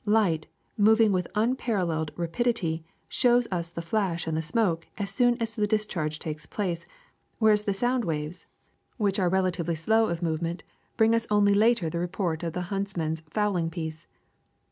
Light, moving with unparalleled rapidity, shows us the flash and the smoke as soon as the dis charge takes place, whereas the sound waves, which SOUND 373 are relatively slow of movement, bring us only later the report of the huntsman's fowling piece.